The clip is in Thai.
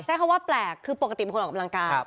คำว่าแปลกคือปกติเป็นคนออกกำลังกาย